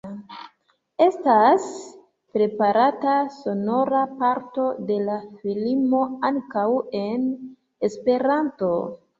Estas preparata sonora parto de la filmo ankaŭ en Esperanto.